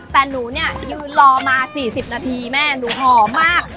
แต่หนูเนี่ยยืนรอมา๔๐นาทีแม่หนูหอมมาก